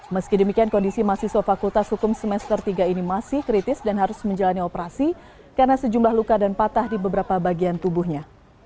meski demikian kondisi mahasiswa fakultas hukum semester tiga ini masih kritis dan harus menjalani operasi karena sejumlah luka dan patah di beberapa bagian tubuhnya